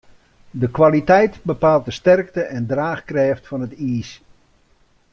De kwaliteit bepaalt de sterkte en draachkrêft fan it iis.